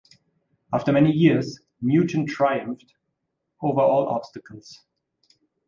After many years Newton triumphed over all obstacles.